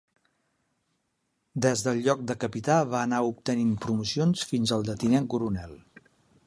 Des del lloc de capità, va anar obtenint promocions fins al de tinent coronel.